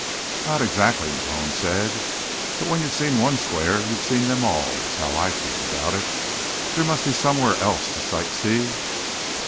"Not exactly," Malone said. "But when you've seen one Square, you've seen them all, is how I feel about it. There must be somewhere else to sight see."